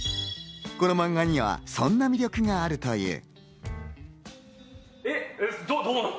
このマンガにはそんな魅力があるという。